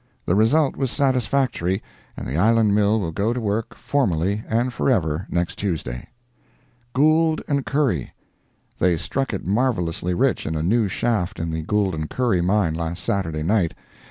The result was satisfactory, and the Island Mill will go to work formally and forever next Tuesday. GOULD & CURRY.—They struck it marvelously rich in a new shaft in the Gould & Curry mine last Saturday night.